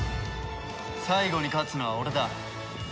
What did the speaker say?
最後に勝つのは俺だ。